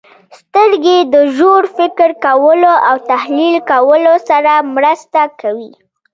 • سترګې د ژور فکر کولو او تحلیل کولو سره مرسته کوي.